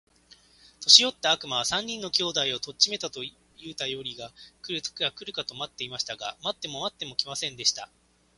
年よった悪魔は、三人の兄弟を取っちめたと言うたよりが来るか来るかと待っていました。が待っても待っても来ませんでした。